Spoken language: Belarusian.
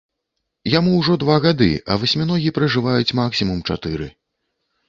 Яму ўжо два гады, а васьміногі пражываюць максімум чатыры.